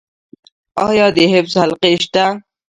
آیا د حفظ حلقې شته؟